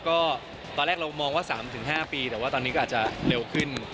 ก็ตอนแรกเรามองว่า๓๕ปีแต่ว่าตอนนี้ก็อาจจะเร็วขึ้น